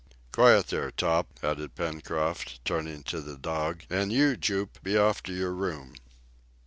Quiet there, Top!" added Pencroft, turning to the dog, "and you, Jup, be off to your room!"